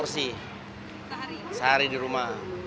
disini bisa jual berapa